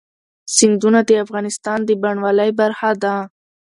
سیندونه د افغانستان د بڼوالۍ برخه ده.